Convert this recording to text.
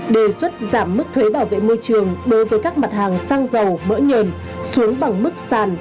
đề xuất giảm mức thuế bảo vệ môi trường đối với các mặt hàng xăng dầu mỡ nhờn xuống bằng mức sàn